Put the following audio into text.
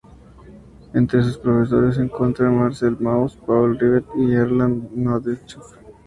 Entre sus profesores se encontraron Marcel Mauss, Paul Rivet, y Erland Nordenskiöld.